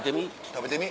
食べてみ。